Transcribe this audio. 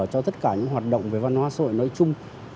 cho tất cả những hoạt động về văn hóa sội nói chung